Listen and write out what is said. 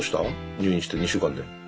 入院して２週間で。